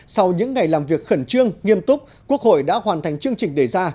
sau những ngày làm việc khẩn trương nghiêm túc quốc hội đã hoàn thành chương trình đề ra